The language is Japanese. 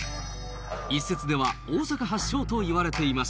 一説では大阪発祥といわれています。